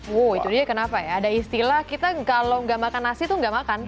wow itu dia kenapa ya ada istilah kita kalau nggak makan nasi itu nggak makan